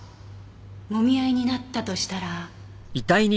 もみ合いになったとしたら。